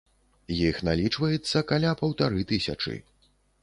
Іх налічваецца каля паўтары тысячы.